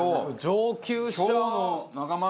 上級者！